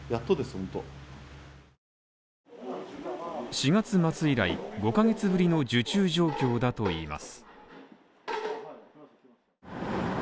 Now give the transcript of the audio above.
４月末以来５ヶ月ぶりの受注状況だといいます。